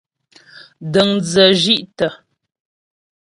Dəŋdzə shí'tə.